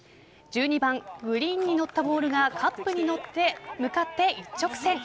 １２番グリーンに乗ったボールがカップに向かって一直線。